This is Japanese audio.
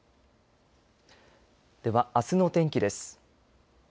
では、あすの天気です。